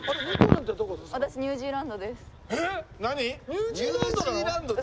ニュージーランドなの？